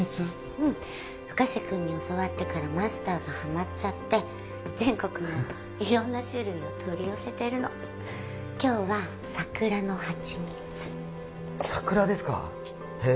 うん深瀬君に教わってからマスターがハマっちゃって全国の色んな種類を取り寄せてるの今日はさくらのハチミツさくらですかへえ